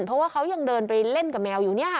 เพราะว่าเขายังเดินไปเล่นกับแมวอยู่เนี่ยค่ะ